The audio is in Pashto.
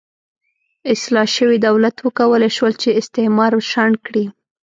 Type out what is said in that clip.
اصلاح شوي دولت وکولای شول چې استعمار شنډ کړي.